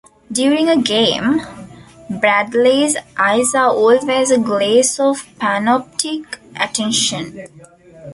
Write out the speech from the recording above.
During a game, Bradley's eyes are always a glaze of panoptic attention.